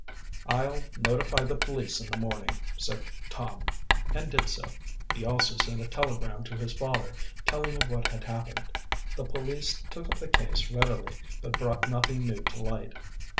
"I'll notify the police in the morning," said Tom, and did so. He also sent a telegram to his father, telling of what had happened. The police took up the case readily, but brought nothing new to light.